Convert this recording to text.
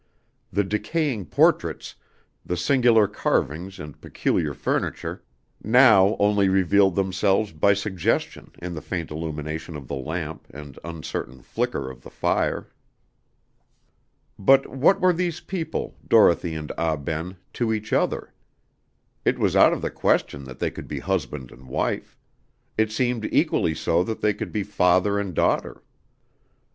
The decaying portraits, the singular carvings and peculiar furniture, now only revealed themselves by suggestion in the faint illumination of the lamp and uncertain flicker of the fire. But what were these people, Dorothy and Ah Ben, to each other? It was out of the question that they could be husband and wife it seemed equally so that they could be father and daughter.